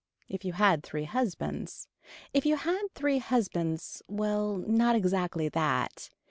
If you had three husbands. If you had three husbands, well not exactly that.